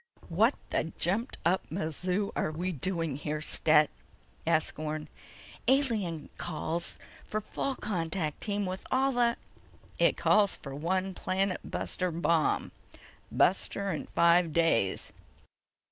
"What the jumped up mazoo are we doing here, Stet?" asked Orne. "Alien calls for a full contact team with all of the—" "It calls for one planet buster bomb ... buster—in five days.